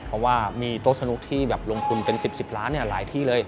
เพราะว่ามีโต๊ะสนุกที่แบบลงทุนเป็น๑๐ล้านหลายที่เลย